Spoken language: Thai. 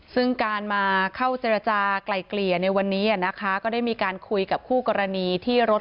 ซึ่งการมาเข้าเจรจากลายเกลี่ยในวันนี้นะคะก็ได้มีการคุยกับคู่กรณีที่รถ